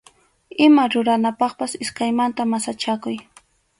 Ima ruranapaqpas iskaymanta masachakuy.